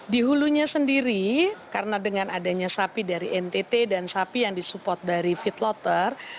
di hulunya sendiri karena dengan adanya sapi dari ntt dan sapi yang disupport dari fit lotter